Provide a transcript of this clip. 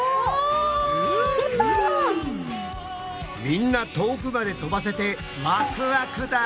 みんな遠くまで飛ばせてワクワクだ！